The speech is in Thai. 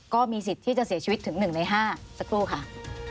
ก็มีสิทธิ์ที่จะเสียชีวิตถึง๑ใน๕สักครู่ค่ะ